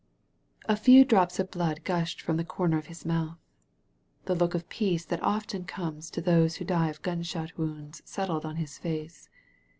A few drops of blood gushed from the comer of his mouth. The look of peace that often comes to those who die of gunshot wounds settled on his face.